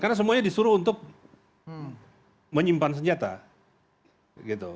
karena semuanya disuruh untuk menyimpan senjata gitu